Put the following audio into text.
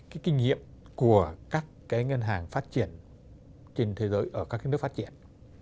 cái kinh nghiệm của các cái ngân hàng phát triển trên thế giới ở các cái nước phát triển